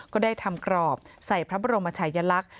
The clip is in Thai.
ก็ได้ทำกรอบใส่พระบรมชายลักษณ์